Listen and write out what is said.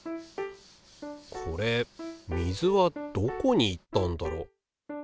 これ水はどこに行ったんだろ？